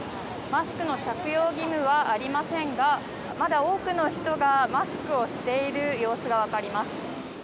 マスクの着用義務はありませんがまだ多くの人がマスクをしている様子が分かります。